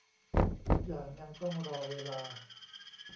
ทุกอย่างยังต้องรอเวลา